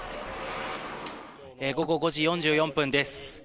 午後５時４４分です。